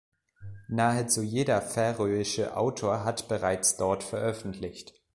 Nahezu jeder färöische Autor hat bereits dort veröffentlicht.